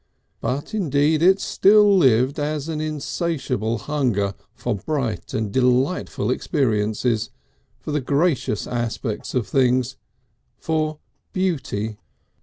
But indeed it still lived as an insatiable hunger for bright and delightful experiences, for the gracious aspects of things, for beauty.